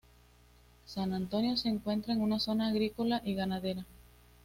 San Antonio se encuentra en una zona agrícola y ganadera.